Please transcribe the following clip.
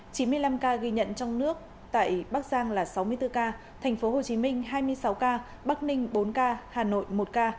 chín mươi năm ca ghi nhận trong nước tại bắc giang là sáu mươi bốn ca tp hcm hai mươi sáu ca bắc ninh bốn ca hà nội một ca